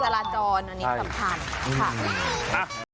แล้วเค้ารบกฎตลาดจรอันนี้คำถาม